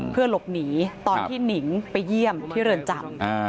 เพื่อหลบหนีตอนที่หนิงไปเยี่ยมที่เรือนจำ